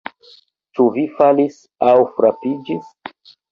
Ĉu vi falis aŭ frapiĝis?